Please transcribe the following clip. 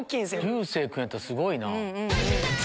流星君やったらすごいな。